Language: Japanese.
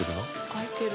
開いてる。